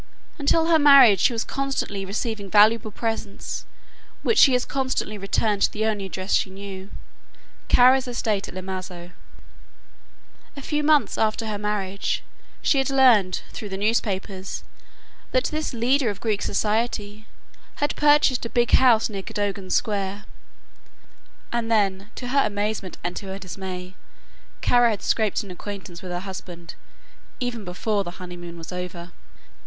Until her marriage she was constantly receiving valuable presents which she as constantly returned to the only address she knew Kara's estate at Lemazo. A few months after her marriage she had learned through the newspapers that this "leader of Greek society" had purchased a big house near Cadogan Square, and then, to her amazement and to her dismay, Kara had scraped an acquaintance with her husband even before the honeymoon was over.